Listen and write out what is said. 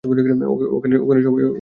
ওখানে সবাই এরকম জড়ো হয়েছে কেন?